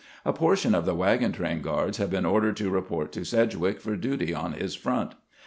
A portion of the wagon train guards had been ordered to report to Sedg wick for duty on his front.